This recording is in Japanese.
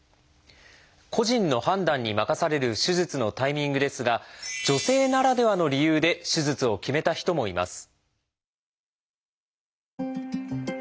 個人の判断に任される手術のタイミングですが女性ならではの理由で手術を決めた人もいます。